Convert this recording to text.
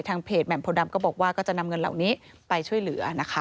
เพจแหม่มโพดำก็บอกว่าก็จะนำเงินเหล่านี้ไปช่วยเหลือนะคะ